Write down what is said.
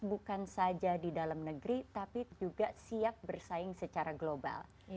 bukan saja di dalam negeri tapi juga siap bersaing secara global